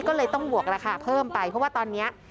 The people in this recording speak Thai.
ก็เลยต้องบวกราคาเพิ่มไปเพราะว่าตอนนี้